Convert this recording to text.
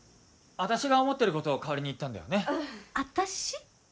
私が思ってることを代わりに言ったんだよね私？